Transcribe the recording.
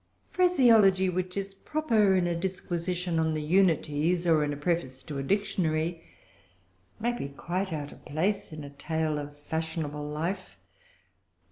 Phraseology which is proper in a disquisition on the Unities, or in a preface to a Dictionary, may be quite out of place in a tale of fashionable life.